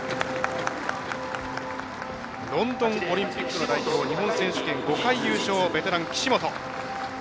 ロンドンオリンピックの代表日本選手権５回、優勝ベテラン、岸本。